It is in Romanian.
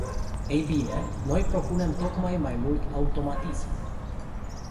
Ei bine, noi propunem tocmai mai mult automatism.